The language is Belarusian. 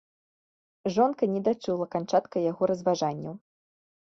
Жонка не дачула канчатка яго разважанняў.